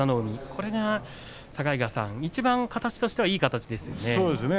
これが、いちばん形としてはいいですね。